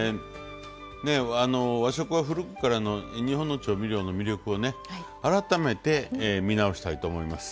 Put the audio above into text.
和食は古くからの日本の調味料の魅力をね改めて見直したいと思います。